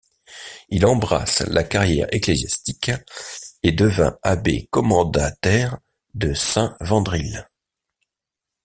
Il embrasse la carrière ecclésiastique et devint abbé commendataire de Saint-Wandrille.